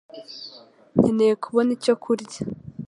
Nkeneye kubona icyo kurya